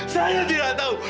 saya tidak tahu